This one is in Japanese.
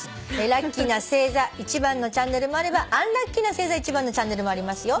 「ラッキーな星座１番のチャンネルもあればアンラッキーな星座１番のチャンネルもありますよ」